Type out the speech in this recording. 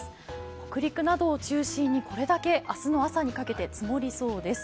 北陸などを中心にこれだけ明日の朝にかけて積もりそうです。